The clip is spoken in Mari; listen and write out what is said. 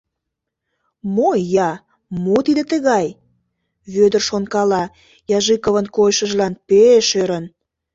«Мо ия, мо тиде тыгай?» — Вӧдыр шонкала, Ежиковын койышыжлан пеш ӧрын.